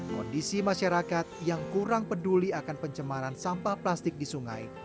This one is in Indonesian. kondisi masyarakat yang kurang peduli akan pencemaran sampah plastik di sungai